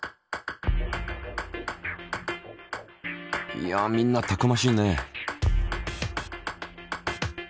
いやみんなたくましいね。